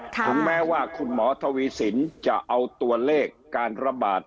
ถึงแม้ว่าคุณหมอทวีสินจะเอาตัวเลขการระบาด